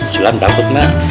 silahkan takut mak